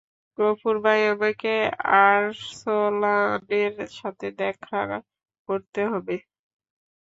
গফুর ভাই, আমাকে আর্সলানের সাথে দেখা করতে হবে।